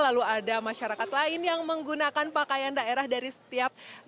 lalu ada masyarakat lain yang menggunakan pakaian daerah dari setiap